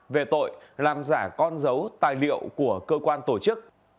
về tội làm giả con dấu tài liệu của cơ quan tổ chức